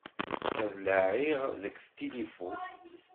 Ad t-laɛiɣ deg tilifu.